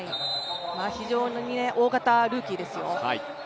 非常に大型ルーキーですよ。